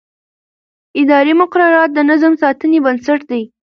اداري مقررات د نظم ساتنې بنسټ دي.